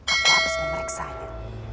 aku harus memeriksanya